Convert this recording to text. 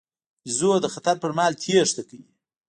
بیزو د خطر پر مهال تېښته کوي.